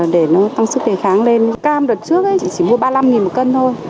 để nó tăng sức đề kháng lên cam đợt trước chỉ mua ba mươi năm một cân thôi